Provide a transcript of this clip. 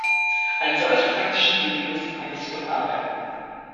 An solch praktischen Dingen muss die Kommission arbeiten.